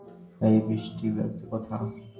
এই বৃষ্টিবজ্রবিদ্যুতের কথা!